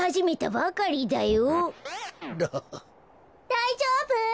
だいじょうぶ？